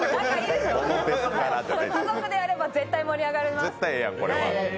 家族でやれば、絶対盛り上がります。